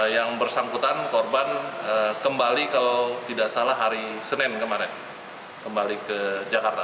yang bersangkutan korban kembali kalau tidak salah hari senin kemarin kembali ke jakarta